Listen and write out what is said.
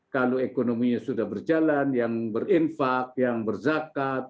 kalau ekonominya sudah berjalan yang berinfak yang berzakat